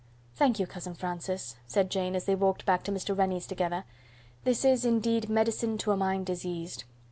"Thank you, cousin Francis," said Jane, as they walked back to Mr. Rennie's together. "This is, indeed, medicine to a mind diseased.